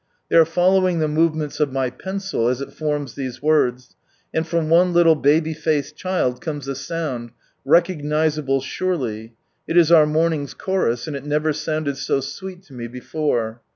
They are following the movements of my pencil, as it forms these words, and from one little baby faced child comes a sound, recognisable surely — it is our morning's chorus, and it never sounded so sweet to me before.